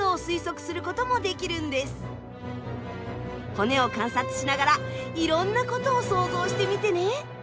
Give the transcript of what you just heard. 骨を観察しながらいろんなことを想像してみてね。